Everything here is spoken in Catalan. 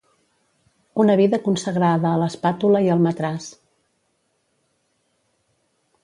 Una vida consagrada a l'espàtula i al matràs.